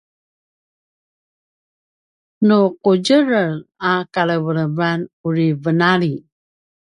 nu ’udjerelj a kalevelevan uri venali